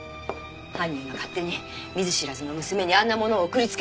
犯人が勝手に見ず知らずの娘にあんなものを送りつけただけなの。